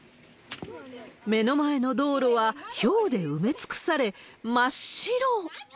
目の前の道路はひょうで埋め尽くされ、真っ白。